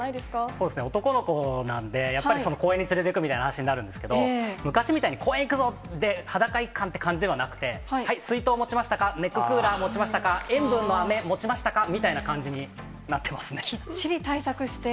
そうですね、男の子なんで、やっぱり公園に連れてくみたいな話になるんですけど、昔みたいに公園行くぞって、裸一貫って感じじゃなくて、はい、水筒持ちましたか、ネッククーラー持ちましたか、塩分のあめ、持ちましたかみたいな感じにきっちり対策して。